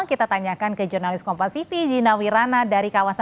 kita tanyakan ke jurnalis kompasifi zina wirana dari kawasan